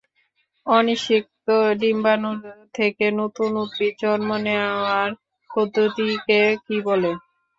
অনিষিক্ত ডিম্বাণু থেকে নতুন উদ্ভিদ জন্ম নেয়ার পদ্ধতিকে কী বলে?